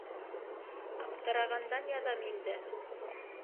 Аптырағандан яҙам инде.